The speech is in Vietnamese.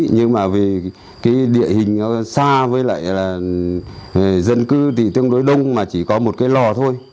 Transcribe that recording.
nhưng mà vì địa hình xa với lại là dân cư thì tương đối đông mà chỉ có một cái lò thôi